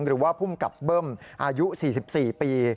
หรือว่าภูมิกับเบิ้มอายุ๔๔ปี